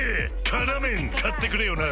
「辛麺」買ってくれよな！